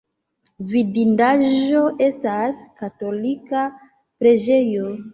Vidindaĵo estas katolika preĝejo.